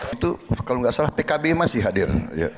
itu kalau nggak salah pkb masih hadir